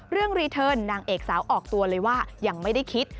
รีเทิร์นนางเอกสาวออกตัวเลยว่ายังไม่ได้คิด